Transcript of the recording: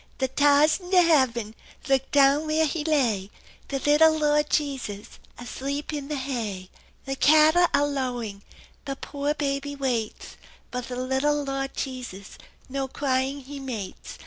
The tars in the haaven Look down vhere 'e lay The litta Lord Jesus As'eep in the hay. "The catta are lowing, The poor baby wates; But the litta Lord Jesus No cwyin' He mates.